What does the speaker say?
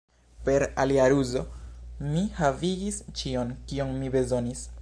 Per alia ruzo, mi havigis ĉion, kion mi bezonis.